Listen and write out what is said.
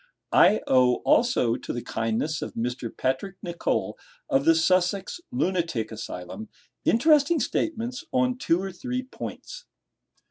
I owe also, to the kindness of Mr. Patrick Nicol, of the Sussex Lunatic Asylum, interesting statements on two or three points.